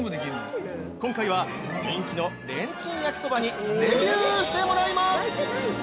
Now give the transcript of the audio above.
今回は人気のレンチン焼きそばにデビューしてもらいます！